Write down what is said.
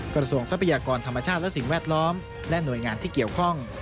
ทรัพยากรธรรมชาติและสิ่งแวดล้อมและหน่วยงานที่เกี่ยวข้อง